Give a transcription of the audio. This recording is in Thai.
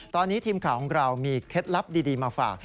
ตอนนี้ทีมข่าวของเรามีเคล็ดลับดีมาฝาก